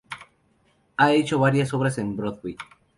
Ha hecho varias obras en Broadway.